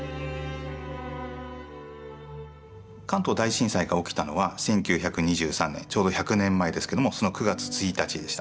関東大震災が起きたのは１９２３年ちょうど１００年前ですけどもその９月１日でした。